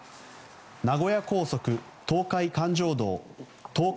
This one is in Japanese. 名古屋高速、東海環状道東海